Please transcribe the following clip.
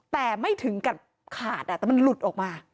แต่ไม่ถึงกับขาดแต่มันหลุดออกมา